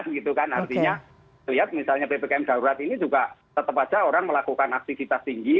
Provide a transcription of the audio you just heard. artinya lihat misalnya ppkm darurat ini juga tetap saja orang melakukan aktivitas tinggi